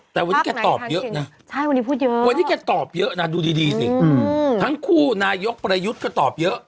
แต่วันนี้แกตอบเยอะนะวันนี้แกตอบเยอะนะดูดีสิทั้งคู่นายกประยุทธ์ก็ตอบเยอะ